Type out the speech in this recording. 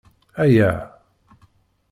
Ayaa!